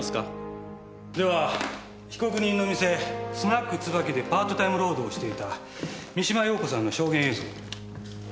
では被告人の店「スナック椿」でパートタイム労働をしていた三島陽子さんの証言映像を。